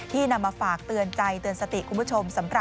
ที่นำมาฝากเตือนใจเตือนสติคุณผู้ชม